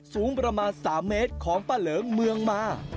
สูงประมาณ๓เมตรของป้าเหลิงเมืองมา